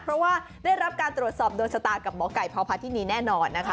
เพราะว่าได้รับการตรวจสอบโดนชะตากับหมอไก่พพาธินีแน่นอนนะคะ